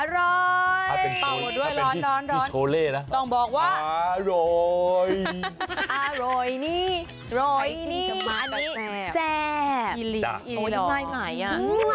อร่อยถ้าเป็นที่โชเล่นะต้องบอกว่าอร่อยอร่อยนี่อร่อยนี่อันนี้แซ่บอีหลีอีหลีหลอดโอ้ยมายอ่ะ